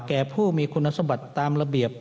แก่ผู้มีคุณสมบัติตามระเบียบ